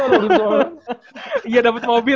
aja iya dapet mobil